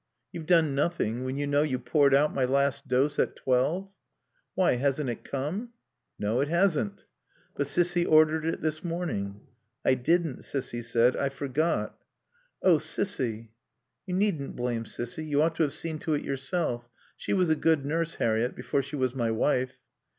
"You've done nothing, when you know you poured out my last dose at twelve?" "Why, hasn't it come?" "No. It hasn't." "But Cissy ordered it this morning." "I didn't," Cissy said. "I forgot." "Oh, Cissy " "You needn't blame Cissy. You ought to have seen to it yourself.... She was a good nurse, Harriett, before she was my wife."